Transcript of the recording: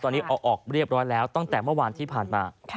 ตอนนี้เอาออกเรียบร้อยแล้วตั้งแต่เมื่อวานที่ผ่านมา